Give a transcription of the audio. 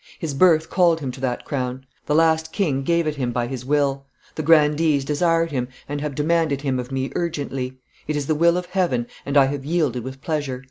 His birth called him to that crown; the last king gave it him by his will; the grandees desired him, and have demanded him of me urgently; it is the will of Heaven, and I have yielded with pleasure."